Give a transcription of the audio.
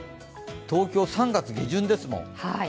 東京、３月下旬ですもん。